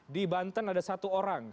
di banten ada satu orang